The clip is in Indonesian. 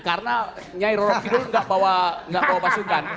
karena nyai roro kidul gak bawa pasukan